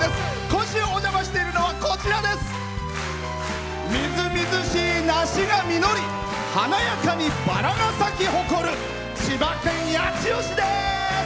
今週お邪魔しているのはみずみずしい梨が実り華やかにバラが咲き誇る千葉県八千代市です！